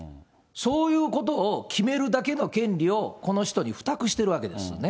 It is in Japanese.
そういうことを決めるだけの権利を、この人に負託しているわけですよね。